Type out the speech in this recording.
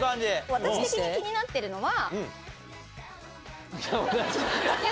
私的に気になってるのは。